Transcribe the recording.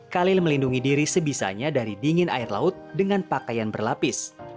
khalil melindungi diri sebisanya dari dingin air laut dengan pakaian berlapis